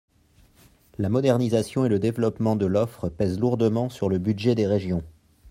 La modernisation et le développement de l’offre pèsent lourdement sur le budget des régions.